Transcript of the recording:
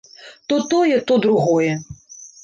То тое, то другое.